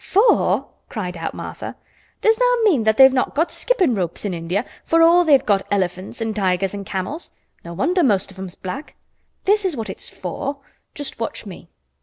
"For!" cried out Martha. "Does tha' mean that they've not got skippin' ropes in India, for all they've got elephants and tigers and camels! No wonder most of 'em's black. This is what it's for; just watch me."